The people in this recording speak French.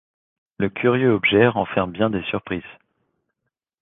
Le curieux objet renferme bien des surprises.